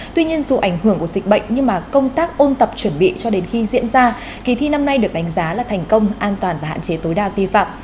tuy nhiên dù ảnh hưởng của dịch bệnh nhưng mà công tác ôn tập chuẩn bị cho đến khi diễn ra kỳ thi năm nay được đánh giá là thành công an toàn và hạn chế tối đa vi phạm